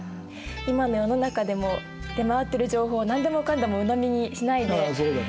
今の世の中でも出回ってる情報何でもかんでもうのみにしないで。